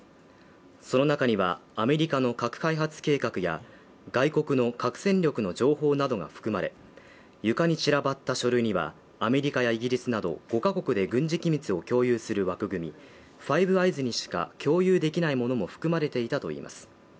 その中には、アメリカの核開発計画や外国の核戦力の情報などが含まれ、床に散らばった書類には、アメリカやイギリスなど５カ国で軍事機密を共有する枠組みファイブ・アイズにしか共有できないものも含まれていたといいます。